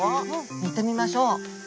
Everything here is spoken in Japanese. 見てみましょう！